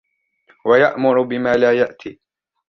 وَيَأْمُرُ بِمَا لَا يَأْتِي